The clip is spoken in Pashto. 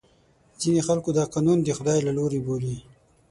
ځینې خلکو دا قانون د خدای له لورې بولي.